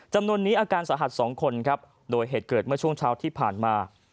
จำนวนนี้อาการสาหัส๒คนครับโดยเหตุเกิดเมื่อช่วงเช้าที่ผ่านมา